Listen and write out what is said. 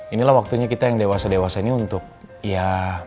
inilah waktunya kita yang dewasa dewasanya untuk ya